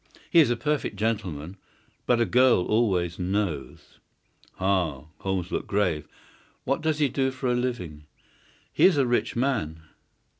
He is a perfect gentleman. But a girl always knows." "Ha!" Holmes looked grave. "What does he do for a living?" "He is a rich man."